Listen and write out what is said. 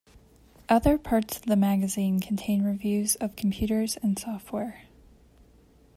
Other parts of the magazine contained reviews of computers and software.